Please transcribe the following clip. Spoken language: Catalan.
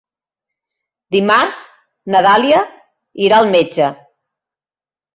Dimarts na Dàlia irà al metge.